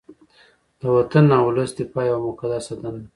د وطن او ولس دفاع یوه مقدسه دنده ده